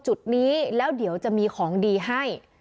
จุดนี้แล้วเดี๋ยวจะมีของดีให้